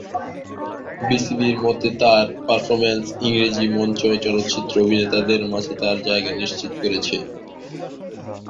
বিবিসির মতে তার "পারফরমেন্স ইংরেজি মঞ্চ ও চলচ্চিত্র অভিনেতাদের মাঝে তাঁর জায়গা নিশ্চিত করেছে"।